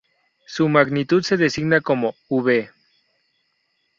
Su magnitud se designa como "v".